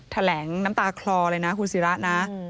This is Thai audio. แถลงน้ำตาคลอเลยนะคุณศิรัตน์นะ